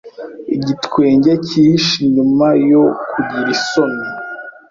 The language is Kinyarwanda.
Igitwenge kihishe inyuma yo kugira isoni